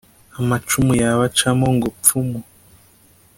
amacumu yabacamo ngo pfumu